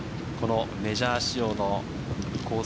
メジャー仕様のコース